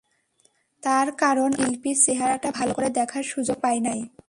তার কারণ, আমি শিল্পীর চেহারাটা ভালো করে দেখার সুযোগ পাই না।